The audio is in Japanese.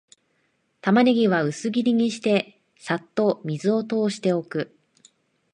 タマネギは薄切りにして、さっと水を通しておく